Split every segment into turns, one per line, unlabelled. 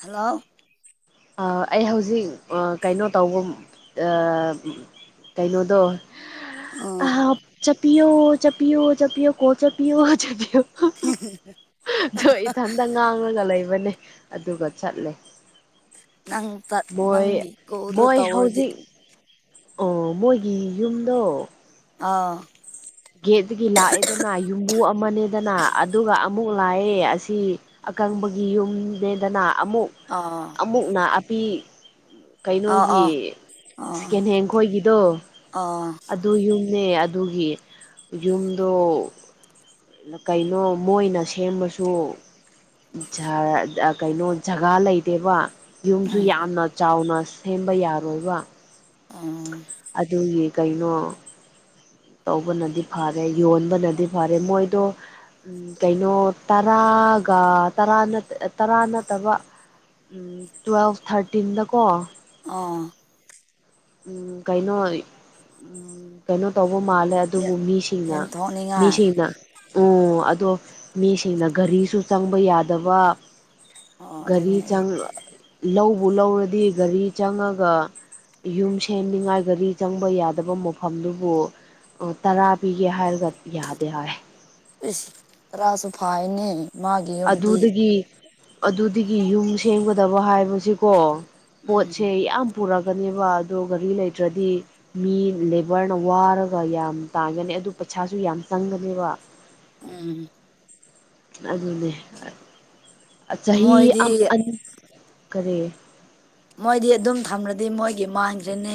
Hello
ꯑꯥ ꯑꯩ ꯍꯧꯖꯤꯛ ꯀꯩꯅꯣ ꯇꯧꯕ ꯑꯥ ꯀꯩꯅꯣꯗꯣ ꯑ
ꯑꯥ
ꯆꯞꯄꯤꯌꯣ ꯆꯞꯄꯤꯌꯣ ꯆꯞꯄꯤꯌꯣ ꯀꯣ ꯆꯞꯄꯤꯌꯣ ꯆꯄꯤꯌꯣ [unintelligible] ꯏꯊꯟꯇ ꯉꯥꯡꯂꯒ ꯂꯩꯕꯅꯦ ꯑꯗꯨꯒ ꯆꯠꯂꯦ
ꯅꯪ ꯆꯠ
ꯃꯣꯏ
ꯅꯪꯒꯤ ꯀꯣꯜꯗꯣ
ꯃꯣꯏ
ꯇꯧꯔꯗꯤ
ꯍꯧꯖꯤꯛ ꯑꯣ ꯃꯣꯏꯒꯤ ꯌꯨꯝꯗꯣ
ꯑꯥ
ꯒꯦꯠꯇꯒꯤ ꯂꯥꯛꯑꯦꯗꯅ ꯌꯨꯝꯕꯨ ꯑꯃꯅꯦꯗꯅ ꯑꯗꯨꯒ ꯑꯃꯨꯛ ꯂꯥꯛꯑꯦ ꯑꯁꯤ ꯑꯀꯪꯕꯒꯤ ꯌꯨꯝ ꯂꯦꯟꯗꯅ ꯑꯃꯨꯛ
ꯑꯥ
ꯑꯃꯨꯛꯅꯥ ꯑꯄꯤ
ꯑꯥ
ꯀꯩꯅꯣꯒꯤ
ꯑꯥ ꯑꯥ
ꯁꯦꯀꯦꯟ ꯍꯦꯟ ꯈꯣꯏꯒꯤꯗꯣ
ꯑꯥ
ꯑꯗꯨ ꯌꯨꯝꯅꯦ ꯑꯗꯨꯒꯤ ꯌꯨꯝꯗꯣ ꯀꯩꯅꯣ ꯃꯣꯏꯅ ꯁꯦꯝꯕꯁꯨ ꯖꯔ ꯑꯥ ꯀꯩꯅꯣ ꯖꯒꯥ ꯂꯩꯗꯦꯕ ꯌꯨꯝꯁꯨ
ꯎꯝ
ꯌꯥꯝꯅ ꯆꯥꯎꯅ ꯁꯦꯝꯕ ꯌꯥꯔꯣꯏꯕ
ꯑꯦ
ꯑꯗꯨꯒꯤ ꯀꯩꯅꯣ ꯇꯧꯕꯅꯗꯤ ꯐꯔꯦ ꯌꯣꯟꯕꯅꯗꯤ ꯐꯔꯦ ꯃꯣꯏꯗꯣ ꯎꯝ ꯀꯩꯅꯣ ꯇꯔꯥꯒ ꯇꯔꯥ ꯅꯥꯠ ꯇꯔꯥ ꯅꯠꯇꯕ ꯇꯨꯋꯦꯜꯐ ꯊꯥꯔꯇꯤꯟꯗꯀꯣ
ꯑꯥ
ꯎꯝ ꯀꯥꯏꯅꯣ ꯀꯩꯅꯣ ꯇꯧꯕ ꯃꯥꯜꯂꯦ ꯑꯗꯨꯕꯨ ꯃꯤꯁꯤꯡꯅ
ꯌꯦꯟꯊꯣꯛꯅꯤꯡꯉꯥꯏ
ꯃꯤꯁꯤꯡꯅ ꯑꯣ ꯑꯗꯣ ꯃꯤꯁꯤꯡꯅ ꯒꯥꯔꯤꯁꯨ ꯆꯪꯕ ꯌꯥꯗꯕ
ꯑꯣ
ꯒꯥꯔꯤ
ꯑꯗꯨꯅꯦ ꯑꯗꯨ
ꯂꯧꯕ ꯂꯧꯔꯗꯤ ꯒꯥꯔꯤ ꯆꯪꯉꯒ ꯌꯨꯝ ꯁꯦꯝꯅꯤꯡꯉꯥꯏ ꯒꯥꯔꯤ ꯆꯪꯕ ꯌꯥꯗꯕ ꯃꯐꯝꯗꯨꯕꯨ ꯑꯣ ꯇꯔꯥ ꯄꯤꯒꯦ ꯍꯥꯏꯔꯒ ꯌꯥꯗꯦ ꯍꯥꯏ
ꯏꯁ ꯇꯔꯥꯁꯨꯐꯥꯏꯅꯦ
ꯑꯗꯨꯗꯒꯤ ꯑꯗꯨꯗꯒꯤ ꯌꯨꯝ ꯁꯦꯝꯒꯗꯕ ꯍꯥꯏꯕꯕꯁꯤꯀꯣ
ꯎꯝ
ꯄꯣꯠꯁꯦ ꯌꯥꯝ ꯄꯨꯔꯒꯅꯦꯕ ꯑꯗꯣ ꯒꯥꯔꯤ ꯂꯩꯇ꯭ꯔꯗꯤ ꯃꯤ ꯂꯦꯕꯔꯅ ꯋꯥꯔꯒ ꯌꯥꯝ ꯇꯥꯒꯅꯤ ꯑꯗꯨ ꯄꯩꯁꯥꯁꯨ ꯌꯥꯝ ꯆꯪꯒꯅꯦꯕ
ꯎꯝ
ꯑꯗꯨꯅꯦ ꯆꯍꯤ
ꯃꯣꯏꯗꯤ
ꯑꯃ ꯑꯟ ꯀꯔꯤ
ꯃꯣꯏꯗꯤ ꯑꯗꯨꯝ ꯊꯝꯂꯗꯤ ꯃꯣꯏꯒꯤ ꯃꯥꯡꯗ꯭ꯔꯦꯅꯦ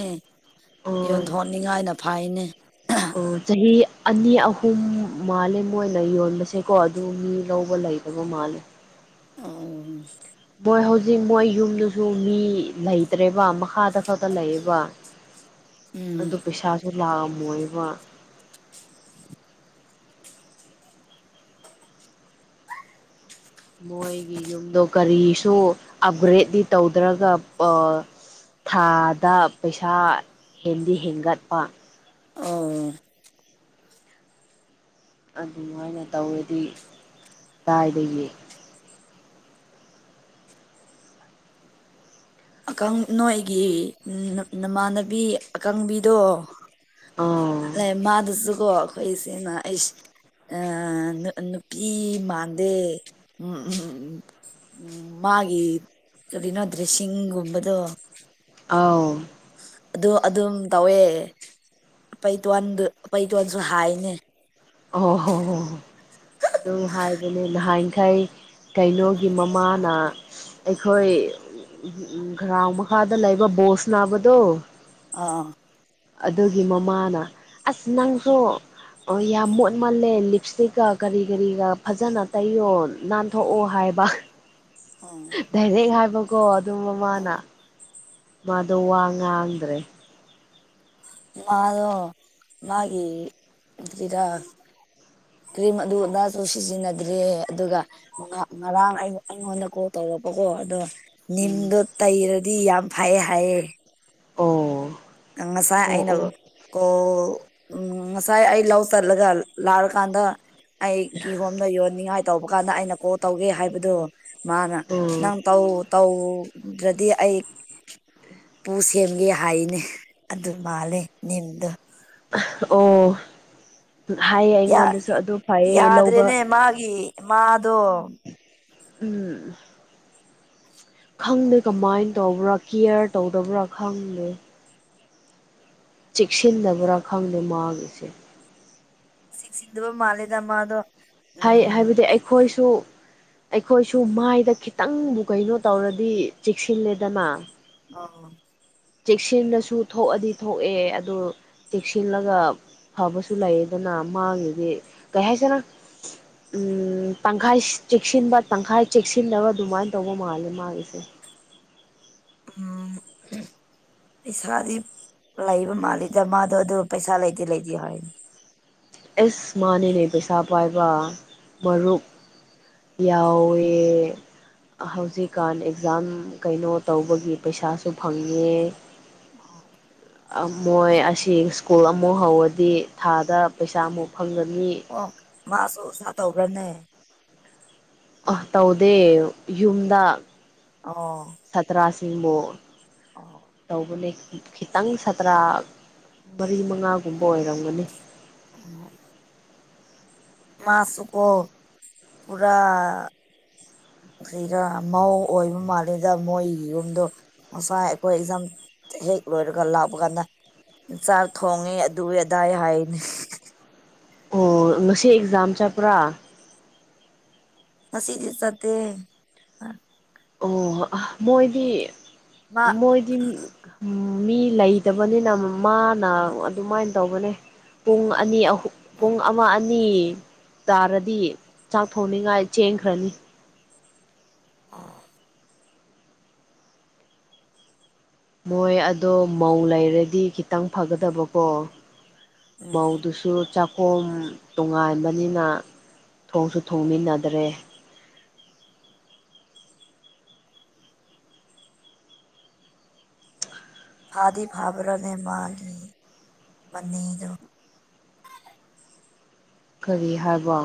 ꯑꯣ
ꯌꯣꯟꯊꯣꯛꯅꯤꯡꯉꯥꯏꯅ ꯐꯩꯅꯦ
ꯑꯣ ꯆꯍꯤ ꯑꯅꯤ ꯑꯍꯨꯝ ꯃꯥꯜꯂꯦ ꯃꯣꯏꯅ ꯌꯣꯟꯕꯁꯦꯀꯣ ꯑꯗꯨ ꯃꯤ ꯂꯧꯕ ꯂꯩ ꯃꯥꯜꯦ
ꯎꯝ
ꯃꯣꯏ ꯍꯧꯖꯤꯛ ꯃꯣꯏ ꯌꯨꯝꯗꯨꯁꯨ ꯃꯤ ꯂꯩꯇ꯭ꯔꯦꯕ ꯃꯈꯥꯗ ꯈꯛꯇ ꯂꯩꯌꯦꯕ
ꯎꯝ
ꯑꯗꯣ ꯄꯩꯁꯥꯁꯨ ꯂꯥꯛꯑꯝꯃꯣꯏꯕ ꯃꯣꯏꯒꯤ ꯌꯨꯝꯗꯣ ꯀꯔꯤꯁꯨ ꯑꯞꯒ꯭ꯔꯦꯗꯇꯤ ꯇꯧꯗ꯭ꯔꯒ ꯑꯥ ꯊꯥꯗ ꯄꯩꯁꯥ ꯍꯦꯟꯗꯤ ꯍꯦꯟꯒꯠꯄ
ꯑꯣ
ꯑꯗꯨꯃꯥꯏꯅ ꯇꯧꯔꯗꯤ ꯀꯗꯥꯥꯏꯗꯒꯤ
ꯑꯀꯪ ꯅꯣꯏꯒꯤ ꯅꯃꯥꯟꯅꯕꯤ ꯑꯀꯪꯕꯤꯗꯣ
ꯑꯥ
ꯑꯦ ꯃꯥꯗꯨꯁꯨꯀꯣ ꯑꯩꯈꯣꯏꯁꯤꯅ ꯑꯩꯁ ꯑꯤ ꯅꯨ ꯅꯨꯄꯤ ꯃꯥꯟꯗꯦ ꯎꯝ ꯎꯝꯝ ꯎꯝ ꯃꯥꯒꯤ ꯀꯔꯤꯅꯣ ꯗ꯭ꯔꯦꯁꯁꯤꯒꯨꯝꯕꯗꯣ
ꯑꯥꯎ
ꯑꯗꯨ ꯑꯗꯨꯝ ꯇꯧꯋꯦ ꯄꯩꯇꯣꯟꯗꯨ ꯄꯩꯇꯣꯟꯁꯨ ꯍꯥꯏꯅꯦ
ꯑꯣ ꯍꯣ ꯍꯣ ꯑꯗꯨ ꯍꯥꯏꯕꯅꯦ ꯅꯍꯥꯟꯈꯩ ꯀꯩꯅꯣꯒꯤ ꯃꯃꯥꯅ ꯑꯩꯈꯣꯏ ꯒ꯭ꯔꯥꯎꯟꯗ ꯃꯈꯥꯗ ꯂꯩꯕ ꯕꯣꯜ ꯅꯥꯕꯗꯣ
ꯑꯥ
ꯑꯗꯨꯒꯤ ꯃꯃꯥꯅ ꯑꯁ ꯅꯪꯁꯨ ꯑꯣ ꯌꯥꯝ ꯃꯣꯠꯃꯜꯂꯦ ꯂꯤꯞ ꯏꯁꯇꯤꯛꯀ ꯀꯔꯤ ꯀꯔꯤꯒ ꯐꯖꯅ ꯇꯩꯌꯣ ꯅꯥꯟꯊꯣꯛꯑꯣ ꯍꯥꯏꯕ
ꯎꯝ
ꯗꯥꯏꯔꯦꯛ ꯍꯥꯏꯕꯀꯣ ꯑꯗꯨ ꯃꯃꯥꯅ ꯃꯥꯗꯣ ꯋꯥ ꯉꯥꯡꯗ꯭ꯔꯦ
ꯃꯥꯗꯣ ꯃꯥꯒꯤ ꯀ꯭ꯔꯤꯝ ꯑꯗꯨ ꯑꯗꯥꯁꯨ ꯁꯤꯖꯤꯟꯅꯗ꯭ꯔꯦ ꯑꯗꯨꯒ ꯉꯔꯥꯡ ꯑꯩ ꯑꯩꯉꯣꯟꯗ ꯀꯣꯜ ꯇꯧꯔꯛꯄꯀꯣ ꯑꯗꯣ
ꯎꯝ
ꯅꯤꯝꯗꯣ ꯇꯩꯔꯗꯤ ꯌꯥꯝ ꯐꯩꯌꯦ ꯍꯥꯏꯌꯦ
ꯑꯣ
ꯅꯪ ꯉꯁꯥꯏ
ꯑꯣ
ꯑꯩꯅ
ꯑꯣ
ꯀꯣꯜ ꯎꯝ ꯉꯁꯥꯏ ꯑꯩ ꯂꯧ ꯆꯠꯂꯒ ꯂꯥꯛꯂ ꯀꯥꯟꯗ ꯑꯩ ꯀꯤꯍꯣꯝꯗ ꯌꯣꯟꯅꯤꯡꯉꯥꯏ ꯇꯧꯕ ꯀꯥꯟꯗ ꯑꯩꯅ ꯀꯣ ꯇꯧꯒꯦ ꯍꯥꯏꯕꯗꯣ ꯃꯥꯅ
ꯎꯝ
ꯅꯪ ꯇꯧ ꯇꯧ ꯇꯧꯗ꯭ꯔꯗꯤ ꯑꯩ ꯄꯨ ꯁꯦꯝꯒꯦ ꯍꯥꯏꯅꯦ ꯑꯗꯨ ꯃꯥꯂꯦ ꯝꯗ
ꯑꯣ ꯍꯥꯏꯌꯦ
ꯌꯥ
ꯑꯩꯉꯣꯟꯗꯁꯨ ꯑꯗꯨ ꯐꯩꯌꯦ ꯂꯧꯕ
ꯌꯥꯗ꯭ꯔꯦꯅꯦ ꯃꯥꯒꯤ ꯃꯥꯗꯣ
ꯎꯝ ꯈꯪꯗꯦ ꯀꯃꯥꯏꯅ ꯇꯧꯕ꯭ꯔꯥ ꯀꯤꯌ꯭ꯥꯔ ꯇꯧꯗꯕ꯭ꯔꯥ ꯈꯪꯗꯦ ꯆꯦꯛꯁꯤꯟꯅꯗꯕ꯭ꯔꯥ ꯈꯪꯗꯦ ꯃꯥꯒꯤꯁꯦ
ꯆꯦꯛꯁꯤꯛꯁꯤꯟꯗꯕ ꯃꯥꯜꯂꯦꯗ ꯃꯥꯗꯣ꯫ ꯎꯝ
ꯍꯥꯏꯕꯗꯤ ꯑꯩꯈꯣꯏꯁꯨ ꯑꯩꯈꯣꯏꯁꯨ ꯃꯥꯏꯗ ꯈꯤꯇꯪꯕꯨ ꯀꯩꯅꯣ ꯇꯧꯔꯗꯤ ꯆꯦꯛꯁꯤꯜꯂꯦꯗꯅ
ꯑꯥ
ꯆꯦꯛꯁꯤꯜꯂꯁꯨ ꯊꯣꯛꯑꯗꯤ ꯊꯣꯛꯑꯦ ꯑꯗꯨ ꯆꯦꯛꯁꯤꯜꯂꯒ ꯐꯕꯁꯨ ꯂꯩꯗꯅ ꯃꯥꯒꯤꯗꯤ ꯀꯩ ꯍꯥꯏꯗꯨꯏꯅꯣ ꯇꯪꯈꯥꯏ ꯆꯦꯛꯁꯤꯟꯕ ꯇꯪꯈꯥꯏ ꯆꯦꯛꯁꯤꯟꯅꯗꯕ ꯑꯗꯨꯃꯥꯏꯅ ꯇꯧꯕ ꯃꯥꯜꯂꯦ ꯃꯥꯒꯤꯁꯦ
ꯎꯝ ꯄꯩꯁꯥꯗꯤ ꯂꯩꯕ ꯃꯥꯜꯂꯤꯗ ꯃꯥꯗꯣ ꯑꯗꯨꯒ ꯄꯩꯁꯥ ꯂꯩꯇꯦ- ꯂꯩꯇꯦ ꯍꯥꯏꯌꯦ
ꯑꯦꯁ ꯃꯥꯅꯦꯅꯦ ꯄꯩꯁꯥ ꯄꯥꯏꯕ ꯃꯔꯨꯞ ꯌꯥꯎꯋꯦ ꯍꯧꯖꯤꯛꯀꯥꯟ ꯑꯦꯛꯖꯥꯝ ꯀꯩꯅꯣ ꯇꯧꯕꯒꯤ ꯄꯩꯁꯥꯁꯨ ꯐꯪꯉꯦ ꯃꯣꯏ ꯑꯁꯤ ꯁ꯭ꯀꯨꯜ ꯑꯃꯨꯛ ꯍꯧꯔꯗꯤ ꯊꯥꯗ ꯄꯩꯁꯥꯃꯨꯛ ꯐꯪꯒꯅꯤ
ꯑꯣ ꯃꯥꯁꯨ ꯑꯁꯥ ꯇꯧꯕ꯭ꯔꯅꯦ
ꯑꯣ ꯇꯧꯗꯦ ꯌꯨꯝꯗ
ꯑꯣ
ꯁꯥꯇ꯭ꯔꯥꯁꯤꯡꯕꯨ ꯇꯧꯕꯅꯦ ꯈꯤꯇꯪ ꯁꯥꯇ꯭ꯔꯥ ꯃꯔꯤ ꯃꯉꯥꯒꯨꯝꯕ ꯑꯣꯏꯔꯝꯒꯅꯤ
ꯎꯝ [inaudible] ꯃꯥꯁꯨꯒꯣ ꯄꯨꯔꯥ ꯀꯔꯤꯔ ꯃꯧ ꯑꯣꯏꯕ ꯃꯥꯜꯂꯦꯗ ꯃꯣꯏꯒꯤ ꯌꯨꯝꯗꯣ ꯉꯁꯥꯏ ꯑꯩꯈꯣꯏ ꯑꯦꯝ ꯍꯦꯛ ꯂꯣꯏꯔꯒ ꯂꯥꯛꯄ ꯀꯥꯟꯗ ꯆꯥꯛ ꯊꯣꯡꯉꯦ ꯑꯗꯨꯏ ꯑꯗꯥꯏ ꯍꯥꯏꯅꯤ
ꯑꯣ ꯉꯁꯤ ꯑꯦꯛꯖꯥꯝ ꯆꯠꯄ꯭ꯔꯥ
ꯉꯁꯤꯗꯤ ꯆꯠꯇꯦ
ꯑꯣ ꯑꯥ ꯃꯣꯏꯗꯤ
ꯃꯥ
ꯃꯣꯏꯗꯤ ꯎꯝ ꯃꯤ ꯂꯩꯇꯕꯅꯤꯅ ꯃꯥꯅ ꯑꯗꯨꯃꯥꯏꯅ ꯇꯧꯕꯅꯦ ꯄꯨꯡ ꯑꯅꯤ ꯑꯍꯨꯝ ꯄꯨꯡ ꯑꯃ ꯑꯅꯤ ꯇꯥꯔꯗꯤ ꯆꯥꯛ ꯊꯣꯡꯅꯤꯡꯉꯥꯏ ꯆꯦꯟꯈ꯭ꯔꯅꯤ
ꯑꯝ
ꯃꯣꯏ ꯑꯗꯣ ꯃꯧ ꯂꯩꯔꯗꯤ ꯈꯤꯇꯪ ꯐꯒꯗꯕꯀꯣ
ꯎꯝ
ꯃꯧꯗꯨꯁꯨ ꯆꯞ ꯈꯨꯝ ꯇꯣꯉꯥꯟꯕꯅꯤꯅ ꯊꯣꯡꯁꯨ ꯊꯣꯡꯃꯤꯟꯅꯗ꯭ꯔꯦ
ꯐꯥꯗꯤ ꯐꯥꯕ꯭ꯔꯅꯦ ꯃꯥ ꯂꯩ ꯃꯅꯤꯗꯣ
ꯀꯔꯤ ꯍꯥꯏꯕ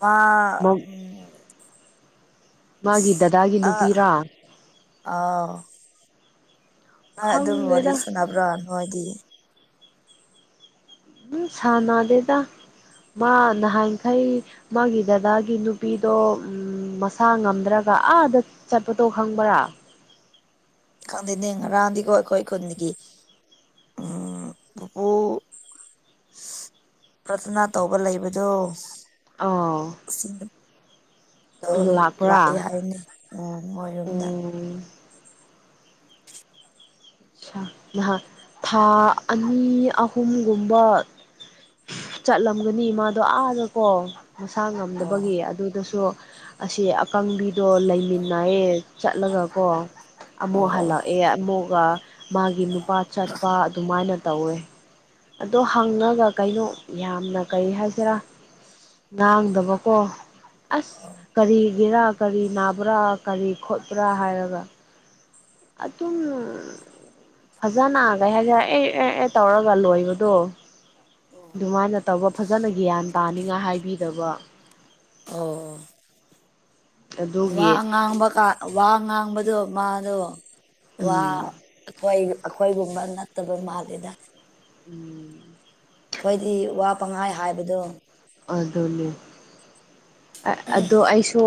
ꯃꯥ
ꯃꯥꯪ
ꯎꯝ
[unintelligible] ꯃꯥꯒꯤ
ꯑꯁ
ꯗꯗꯥꯒꯤ
ꯑ
ꯅꯨꯄꯤꯔꯥ
ꯑꯥꯎ ꯅꯣꯏ ꯑꯗꯨꯝ ꯋꯥꯔꯤ
ꯈꯪꯗꯦꯗ
ꯁꯨꯅꯕ꯭ꯔꯥ ꯅꯣꯏꯗꯤ
ꯎꯝ ꯁꯥꯟꯅꯗꯦꯗ ꯃꯥ ꯅꯍꯥꯟꯈꯩ ꯃꯥꯒꯤ ꯗꯗꯥꯒꯤ ꯅꯨꯄꯤꯗꯣ ꯃꯁꯥ ꯉꯝꯗ꯭ꯔꯒ ꯑꯥꯗ ꯆꯠꯄꯗꯣ ꯈꯪꯕꯔꯥ
ꯈꯪꯗꯦꯅꯦ ꯉꯔꯥꯡꯗꯤꯒꯣ ꯑꯩꯈꯣꯢ ꯈꯨꯟꯒꯤ ꯎꯝ [unintelligible] ꯄ꯭ꯔꯊꯅꯥ ꯇꯧꯕ ꯂꯩꯕꯗꯣ
ꯑꯣ
ꯁꯤꯗ [unintelligible] ꯇꯧꯔ
ꯂꯥꯛꯄ꯭ꯔꯥ
ꯂꯥꯛꯏ ꯍꯥꯏꯅꯦ ꯎꯝ ꯃꯣꯢꯔꯣꯝꯗ
ꯎꯝ ꯅꯍꯥꯟ ꯊꯥ ꯑꯅꯤ ꯑꯍꯨꯝꯒꯨꯝꯕ ꯆꯠꯂꯝꯒꯅꯤ ꯃꯥꯗꯣ ꯑꯗꯥꯀꯣ ꯃꯁꯥ
ꯑꯣ
ꯉꯝꯗꯕꯒꯤ ꯑꯗꯨꯗꯁꯨ ꯑꯁꯤ ꯑꯀꯪꯕꯤꯗꯣ ꯂꯩꯃꯤꯟꯅꯩꯌꯦ ꯆꯠꯂꯒꯀꯣ ꯑꯃꯨꯛ
ꯑꯣ ꯑꯣ
ꯍꯜꯂꯛꯑꯦ ꯑꯃꯨꯛꯀ ꯃꯥꯒꯤ ꯅꯨꯄꯥ ꯆꯠꯄ ꯑꯗꯨꯃꯥꯏꯅ ꯇꯧꯋꯦ ꯑꯗꯣ ꯍꯪꯉꯒ ꯀꯩꯅꯣ ꯌꯥꯝꯅ ꯀꯔꯤ ꯍꯥꯏꯁꯤꯔꯥ ꯉꯥꯡꯗꯕꯀꯣ ꯑꯁ ꯀꯔꯤꯒꯤꯔ ꯀꯔꯤ ꯅꯥꯕ꯭ꯔꯥ ꯀꯔꯤ ꯈꯣꯠꯄ꯭ꯔꯥ ꯍꯥꯏꯔꯒ ꯑꯗꯨꯝ ꯐꯖ ꯂꯩꯍꯟꯂꯦ ꯑꯦ ꯑꯦ ꯑꯦ ꯇꯧꯔꯒ ꯂꯣꯏꯕꯗꯣ ꯑꯗꯨꯃꯥꯏꯅ ꯇꯧꯕ ꯐꯖꯅ ꯒ꯭ꯌꯥꯟ ꯇꯥꯅꯤꯡꯉꯥꯏ ꯍꯥꯏꯕꯤꯗꯕ
ꯑꯣ ꯑꯣ ꯋꯥ
ꯑꯗꯨꯒꯤ
ꯉꯥꯡꯕ ꯀ ꯋꯥ ꯉꯥꯡꯕꯗꯣ ꯃꯥꯗꯣ ꯋꯥ
ꯎꯝ
ꯑꯈꯣꯏ ꯑꯈꯣꯏꯒꯨꯝꯕ ꯅꯠꯇꯕ ꯃꯥꯜꯂꯦꯗ
ꯎꯝ
ꯑꯈꯣꯏꯗꯤ ꯋꯥ ꯄꯪꯍꯥꯏ ꯍꯥꯏꯕꯗꯣ
ꯑꯗꯨꯅꯦ ꯑ ꯑꯗꯣ ꯑꯩꯁꯨ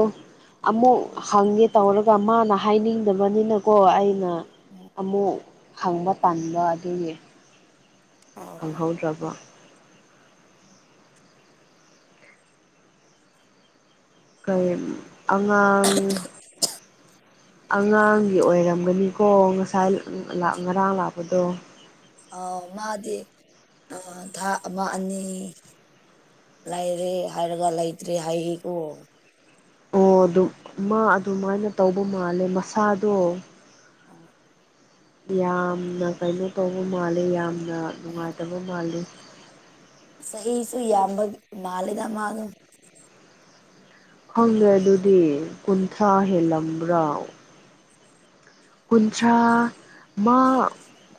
ꯑꯃꯨꯛ ꯍꯪꯒꯦ ꯇꯧꯔꯒ ꯃꯥꯅ ꯍꯥꯏꯅꯤꯡꯗꯕꯅꯤꯅꯀꯣ ꯑꯩꯅ ꯑꯃꯨꯛ ꯍꯪꯕ ꯇꯟꯕ ꯑꯗꯨꯒꯤ ꯍꯪꯍꯧꯗ꯭ꯔꯕ ꯀꯩ ꯑꯉꯥꯡ ꯑꯉꯥꯡꯒꯤ ꯑꯣꯏꯔꯝꯒꯅꯤꯀꯣ ꯉꯁꯥꯏ ꯂꯥꯛ ꯉꯔꯥꯡ ꯂꯥꯛꯄꯗꯣ
ꯑꯥꯎ ꯃꯥꯗꯤ ꯑ ꯊꯥ ꯑꯃ ꯑꯅꯤ ꯂꯩꯔꯦ ꯍꯥꯏꯔꯒ ꯂꯩꯇ꯭ꯔꯦ ꯍꯥꯏꯌꯦꯀꯣ
ꯑꯣ ꯑꯗꯨ ꯃꯥ ꯑꯗꯨꯃꯥꯏꯅ ꯇꯧꯕ ꯃꯥꯜꯂꯦ ꯃꯁꯥꯗꯣ
ꯑ
ꯌꯥꯝꯅ ꯀꯩꯅꯣ ꯇꯧꯕ ꯃꯥꯜꯂꯤ ꯌꯥꯝꯅ ꯅꯨꯡꯉꯥꯏꯇꯕ ꯃꯥꯜꯂꯤ
ꯆꯍꯤꯁꯨ ꯌꯥꯝꯕ ꯃꯥꯜꯂꯦꯗ ꯃꯥꯗꯣ
ꯈꯪꯗꯔꯦ ꯑꯗꯨꯗꯤ ꯀꯨꯟꯊ꯭ꯔꯥ ꯍꯦꯜꯂꯝꯕ꯭ꯔꯥ ꯀꯨꯟꯊ꯭ꯔꯥ ꯃꯥ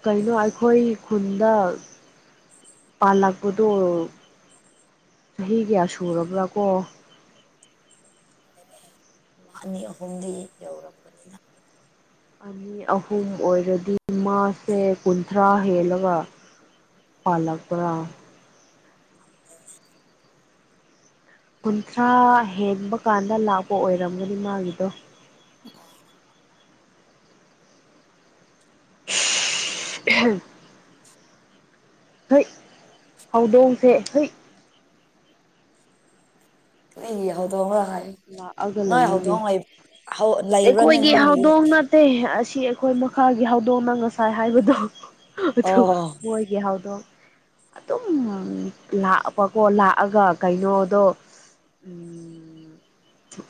ꯀꯩꯅꯣ ꯑꯩꯈꯣꯏ ꯈꯨꯟꯗ ꯄꯥꯂꯛꯄꯗꯣ ꯆꯍꯤ ꯀꯌꯥ ꯁꯨꯔꯕ꯭ꯔꯥ ꯀꯣ
ꯃꯥ ꯑꯅꯤ ꯑꯍꯨꯝꯗꯤ ꯌꯧꯔꯝ
ꯑꯅꯤ ꯑꯍꯨꯝ ꯑꯣꯏꯔꯗꯤ ꯃꯥꯥꯁꯦ ꯀꯨꯟꯊ꯭ꯔꯥ ꯍꯦꯜꯂꯒ ꯄꯂꯛꯄ꯭ꯔꯥ ꯀꯨꯟꯊ꯭ꯔꯥ ꯍꯦꯟꯕ ꯀꯥꯟꯗ ꯂꯥꯛꯄ ꯑꯣꯏꯔꯝꯒꯅꯤ ꯃꯥꯒꯤꯗꯣ
[unintelligible]
[unintelligible] ꯍꯨꯏꯠ ꯍꯧꯗꯣꯡꯁꯦ ꯍꯨꯏꯠ
ꯅꯣꯏꯒꯤ ꯍꯧꯗꯣꯡꯂꯣ ꯍꯥꯏ
ꯂꯥꯛꯑꯒ
ꯅꯣꯏ
ꯂꯩꯔꯅꯤ
ꯍꯧꯗꯣꯡ ꯂꯩ ꯍꯧ ꯂꯩꯕ꯭ꯔꯅꯦ ꯅꯣꯏꯒꯤ ꯌꯨꯝ
ꯇꯦ ꯑꯁꯤ ꯑꯈꯣꯏ ꯃꯈꯥꯒꯤ ꯍꯧꯗꯣꯡꯅ ꯉꯁꯥꯏ ꯍꯥꯏꯕꯗꯣ ꯑꯊꯨ
ꯑꯣ
ꯃꯣꯏꯒꯤ ꯍꯥꯎꯗꯣꯡ ꯑꯗꯨꯝ ꯂꯥꯛꯑꯕꯀꯣ ꯂꯥꯛꯑꯒ ꯀꯩꯅꯣꯗꯣ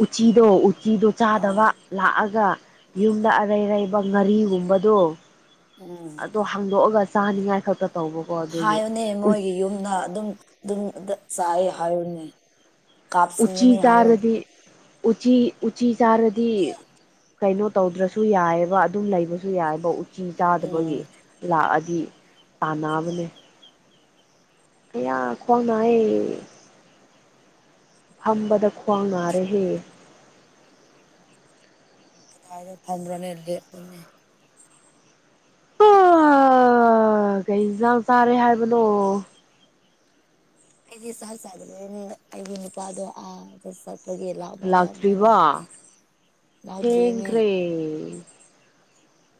ꯎꯆꯤꯗꯣ ꯎꯆꯤꯗꯣ
ꯑꯥ
ꯆꯥꯗꯕ ꯂꯥꯛꯑꯒ ꯌꯨꯝꯗ ꯑꯔꯩ ꯑꯔꯩꯕ ꯉꯥꯔꯤꯒꯨꯝꯕꯗꯣ
ꯎꯝ
ꯗꯣ ꯍꯥꯡꯗꯣꯛꯑꯒ ꯆꯥꯅꯤꯡꯉꯥꯏ ꯈꯛꯇ ꯇꯧꯕꯀꯣꯠ
ꯍꯥꯏꯌꯣꯅꯦ ꯃꯣꯏꯒꯤ ꯌꯨꯝꯗ ꯑꯗꯨꯝ ꯑꯗꯨꯝ ꯑꯗ ꯆꯥꯏꯌꯦ ꯍꯥꯏꯌꯣꯅꯦ
ꯎꯆꯤ ꯆꯥꯔꯗꯤ ꯎꯆꯤ ꯎꯆꯤ ꯆꯥꯔꯗꯤ ꯀꯩꯅꯣ ꯇꯧꯗ꯭ꯔꯁꯨ ꯌꯥꯏꯌꯦꯕ ꯑꯗꯨꯝ ꯂꯩꯕꯁꯨ ꯌꯥꯏꯕ ꯎꯠ ꯏꯁꯤꯡ
ꯎꯝ
ꯆꯥꯗꯕꯒꯤ ꯂꯥꯛꯑꯗꯤ ꯇꯥꯟꯅꯕꯅꯦ ꯑꯌꯥ ꯈ꯭ꯋꯥꯡ ꯅꯥꯌꯦ ꯐꯝꯕꯗ ꯈ꯭ꯋꯥꯡ ꯅꯥꯔꯦꯍꯦ
ꯀꯗꯥꯏꯗ ꯐꯝꯕ꯭ꯔꯅꯦ ꯂꯦꯞꯄꫭꯅꯦ
ꯀꯩ ꯏꯟꯖꯥꯡ ꯆꯥꯔꯦ ꯍꯥꯏꯕꯅꯣ
ꯑꯩꯗꯤ ꯆꯥꯛ ꯆꯥꯗ꯭ꯔꯦꯅꯦ ꯑꯩꯒꯤ ꯅꯨꯄꯥꯗꯣ ꯑꯥꯗ ꯆꯠꯄꯒꯤ ꯂꯥꯛ
ꯂꯥꯛꯇ꯭ꯔꯤꯕꯥ
ꯂꯥꯛꯇꯦꯅꯦ
ꯊꯦꯡꯈ꯭ꯔꯦ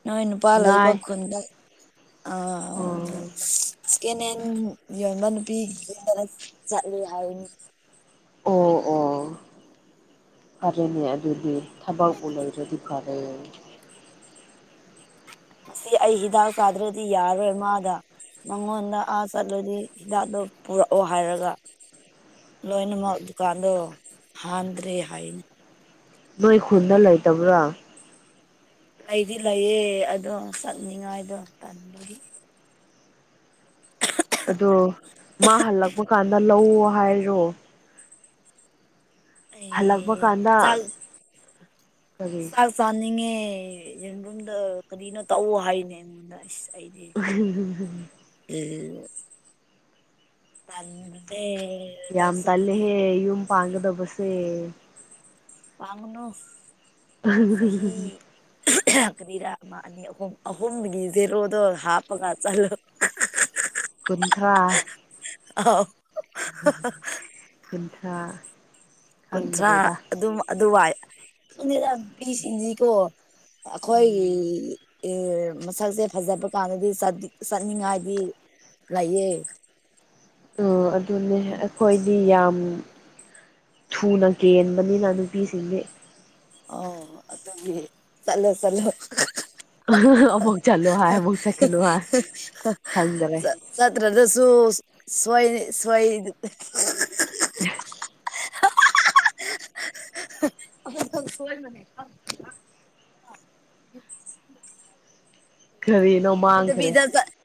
ꯅꯣꯏ ꯅꯨꯄꯥ ꯂꯩꯕ
ꯉꯥꯏ
ꯈꯨꯟꯗ ꯑꯥ
ꯑꯣ
ꯆꯦꯅꯦꯟ ꯌꫭꯟꯕ ꯅꯨꯄꯤꯒꯤ ꯌꯨꯝꯗꯒ ꯆꯠꯂꯦ ꯍꯥꯏꯕꯅꯤ
ꯑꯣ ꯑꯣ ꯐꯔꯦꯅꯦ ꯑꯗꯨꯗꯤ ꯊꯕꯛꯕꯨ ꯂꯩꯔꯗꯤ ꯐꯔꯦ ꯎꯝ
ꯉꯁꯤ ꯑꯩ ꯍꯤꯗꯥꯛ ꯆꯥꯗ꯭ꯔꯗꯤ ꯌꯥꯔꯔꯣꯏ ꯑꯃꯥꯒ ꯃꯉꯣꯟꯗ ꯑꯥ ꯆꯠꯂꯗꯤ ꯍꯤꯗꯥꯛꯗꯣ ꯄꯨꯔꯛꯑꯣ ꯍꯥꯏꯔꯒ ꯂꯣꯏꯅꯃꯛ ꯗꯨꯀꯥꯟꯗꯣ ꯍꯥꯟꯗ꯭ꯔꯦ ꯍꯥꯏꯌꯤ
ꯅꯣꯏ ꯈꯨꯨꯟꯅ ꯂꯩꯇꯕ꯭ꯔꯥ
ꯂꯩꯗꯤ ꯂꯩꯌꯦ ꯑꯗꯣ ꯆꯠꯅꯤꯡꯉꯥꯏꯗꯣ ꯇꯟꯕꯒꯤ
ꯑꯗꯣ ꯃꯥ ꯍꯜꯂꯛꯄ ꯀꯥꯟꯗ ꯂꯧ ꯍꯥꯏꯔꯣ ꯍꯜꯂꯛꯄ
ꯑꯩ
ꯀꯥꯟꯗ
ꯆꯥꯛ
ꯀꯔꯤ
ꯆꯥꯛ ꯆꯥꯅꯤꯡꯉꯦ ꯌꯦꯟꯔꯨꯝꯗꫭ ꯀꯔꯤꯅꯣ ꯇꯧ ꯍꯥꯏꯅꯦ ꯑꯩꯉꯣꯟꯗ ꯑꯩꯁ ꯆꯩꯗꯤ [unintelligible] ꯇꯟꯕꯅꯦ ꯂꯧ
ꯌꯥꯝ
ꯆꯠꯄꯒꯤ
ꯇꯜꯂꯦꯍꯦ ꯌꯨꯝ ꯄꯥꯟꯒꯗꯧꯕꯁꯦ
ꯄꯥꯟꯒꯅꯨ ꯆꯍꯤ ꯀꯔꯤꯔ ꯑꯃꯥ ꯑꯅꯤ ꯑꯍꯨꯝ ꯑꯍꯨꯝꯒꯤ ꯖꯦꯔꯣꯗꯣ ꯍꯥꯞꯄꯒ ꯆꯠꯂꯨ
ꯀꯨꯟꯊ꯭ꯔꯥ
ꯑꯥꯎ
ꯀꯨꯟꯊ꯭ꯔꯥ
ꯀꯨꯟꯊ꯭ꯔꯥ
ꯈꯪꯗ꯭ꯔꯦꯗ
ꯑꯗꯨꯝ ꯑꯗꯨꯋꯥꯏ ꯈꯪꯗꯦꯗ ꯅꯨꯄꯤꯁꯤꯡꯁꯤꯀꯣ ꯑꯩꯈꯣꯏꯒꯤ
ꯎꯝ
ꯑꯦ ꯃꯁꯛꯁꯦ ꯐꯖꯕ ꯀꯥꯟꯗꯗꯤ ꯆꯗꯤ ꯆꯠꯅꯤꯡꯉꯥꯏꯗꯤ ꯂꯩꯌꯦ
ꯎ ꯑꯗꯨꯅꯦ ꯑꯩꯈꯣꯏꯗꯤ ꯌꯥꯝ ꯊꯨꯅ ꯀꯦꯟꯕꯅꯤꯅ ꯅꯨꯄꯤꯁꯤꯡꯁꯦ
ꯑꯣ ꯑꯗꯨꯒꯤ ꯆꯠꯂꯣ ꯆꯠꯂꯣ
ꯑꯃꯨꯛ ꯆꯠꯂꯣ ꯍꯥꯏ ꯑꯃꯨꯛ ꯆꯠꯀꯅꯨ ꯍꯥꯏ ꯈꯪꯗꯔꯦ
[unintelligible] ꯆꯠꯇ꯭ꯔꯗꯁꯨꯡꯛ ꯁ꯭ꯌꯥꯏꯏ ꯁꯣꯏ
[unintelligible]
[unintelligible]
ꯀꯔꯤꯅꯣ ꯃꯥꯡ ꯈꯔꯦ
ꯁꯣꯏꯗꯕꯤꯗ ꯆꯠ